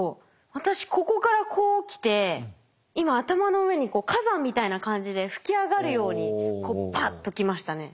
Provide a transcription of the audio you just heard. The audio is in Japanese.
私ここからこう来て今頭の上に火山みたいな感じで噴き上がるようにこうパッと来ましたね。